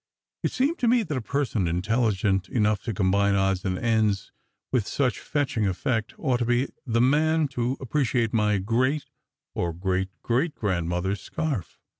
It seemed to me that a person intelligent enough to combine odds and ends with such fetching effect ought to be the man to appreciate my great or great great grandmother s scarf.